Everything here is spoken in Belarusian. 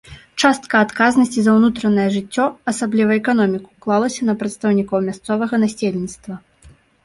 Частка адказнасці за ўнутранае жыццё, асабліва эканоміку, клалася на прадстаўнікоў мясцовага насельніцтва.